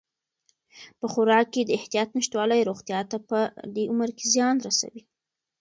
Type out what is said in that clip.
په خوراک کې د احتیاط نشتوالی روغتیا ته په دې عمر کې زیان رسوي.